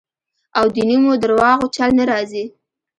او د نیمو درواغو چل نه راځي.